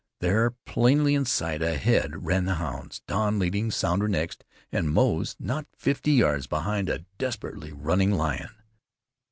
There, plainly in sight ahead ran the hounds, Don leading, Sounder next, and Moze not fifty yards, behind a desperately running lion.